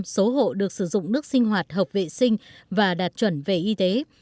một mươi số hộ được sử dụng nước sinh hoạt hợp vệ sinh và đạt chuẩn về y tế